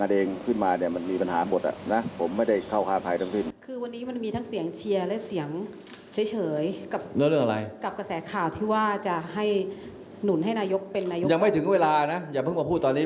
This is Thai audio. ยังไม่ถึงเวลานะอย่าเพิ่งมาพูดตอนนี้